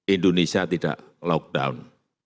indonesia tidak lockdown